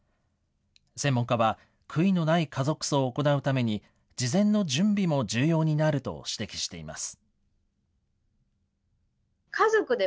専門家は、悔いのない家族葬を行うために事前の準備も重要になると指摘しています。